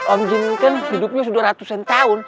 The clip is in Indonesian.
om jin kan hidupnya sudah ratusan tahun